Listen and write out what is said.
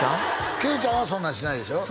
桂ちゃんはそんなんしないでしょ